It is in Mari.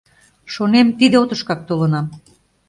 Шонем — тиде отышкак толынам.